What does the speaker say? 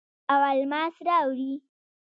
او الماس راوړي